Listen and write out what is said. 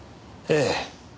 ええ。